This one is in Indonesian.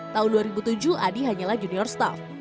tahun dua ribu tujuh adi hanyalah junior staff